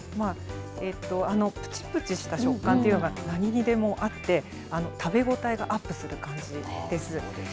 ぷちぷちした食感というのは、何にでも合って、食べ応えがアップする感じです。